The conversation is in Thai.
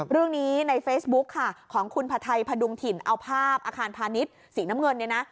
เรื่องนี้ในเฟซบุ๊คค่ะของคุณพระไทยพดุงถิ่นเอาภาพอาคารพาณิชย์สีน้ำเงินเนี่ยนะ